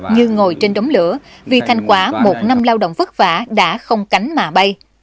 như ngồi trên đống lửa vì thành quả một năm lao động vất vả đã không cánh mà bay